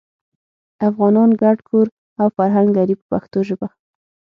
افغانان ګډ کور او فرهنګ لري په پښتو ژبه.